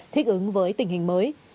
thích ứng với tình hình mới